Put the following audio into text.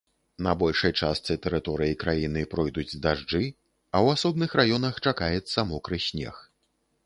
На большай частцы тэрыторыі краіны пройдуць дажджы, а ў асобных раёнах чакаецца мокры снег.